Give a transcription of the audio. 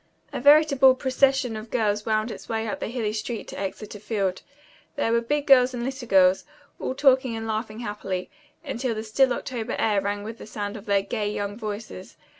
A veritable procession of girls wound its way up the hilly street to Exeter Field. There were big girls and little girls, all talking and laughing happily, until the still October air rang with the sound of their gay, young voices.